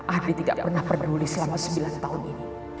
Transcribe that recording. abi tidak pernah peduli selama sembilan tahun ini